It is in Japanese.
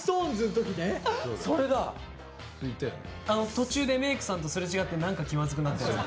途中でメークさんとすれ違って何か気まずくなったやつ。